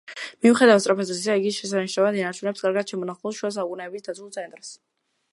მიუხედავად სწრაფად ზრდისა, იგი შესანიშნავად ინარჩუნებს კარგად შემონახულ, შუა საუკუნეების დაცულ ცენტრს.